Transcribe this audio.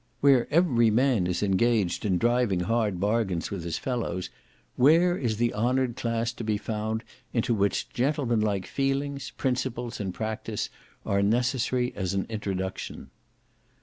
Where every man is engaged in driving hard bargains with his fellows, where is the honoured class to be found into which gentleman like feelings, principles, and practice, are necessary as an introduction?